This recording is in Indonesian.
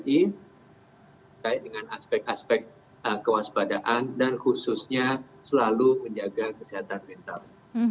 terkait dengan aspek aspek kewaspadaan dan khususnya selalu menjaga kesehatan mental